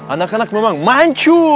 anak anak memang mancu